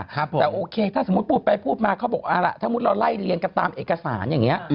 แต่โอเคถ้าสมมุติพูดไปพูดมาเขาบอกเอาล่ะถ้ามุติเราไล่เรียงกันตามเอกสารอย่างนี้